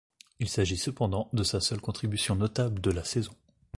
Il s'agit cependant de sa seule contribution notable de la saison.